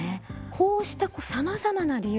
こうしたさまざまな理由齊藤さん